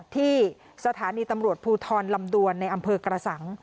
ที่สถานีตำรวจภูทรลำดวนในอำเภอกระสัง